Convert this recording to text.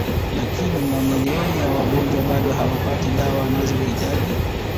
Lakini mamilioni ya wagonjwa bado hawapati dawa wanazohitaji